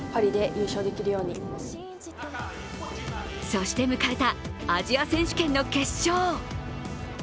そして迎えたアジア選手権の決勝。